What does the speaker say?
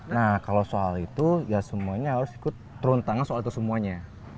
nah kalau soal itu ya semuanya harus ikut turun tangan soal itu semuanya